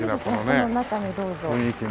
ぜひこの中にどうぞ。